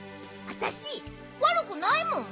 あたしわるくないもん。